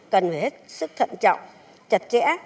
cần phải hết sức thận trọng chặt chẽ